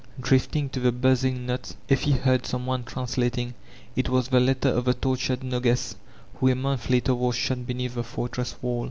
Drifting to the buzzing knots Effie heard some one translating: it was the letter of the tortured Nogues, who a month later was shot beneath the fortress wall.